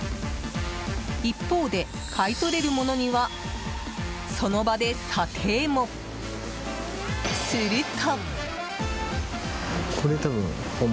一方で、買い取れるものにはその場で査定も。すると。